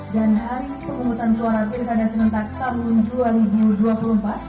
dan hari pengungutan suara pilkada sementara tahun dua ribu dua puluh empat